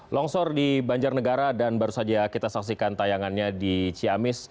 longsor di banjarnegara dan baru saja kita saksikan tayangannya di ciamis